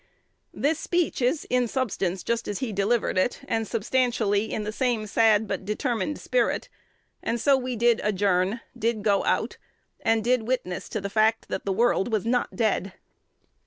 "This speech is in substance just as he delivered it, and substantially in the same sad but determined spirit; and so we did adjourn, did go out, and did witness the fact that 'the world was not dead.'"